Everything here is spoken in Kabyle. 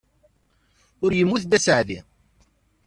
Ur yemmut d aseɛdi.